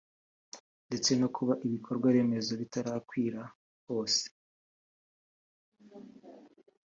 ndetse no kuba ibikorwa remezo bitarakwira hose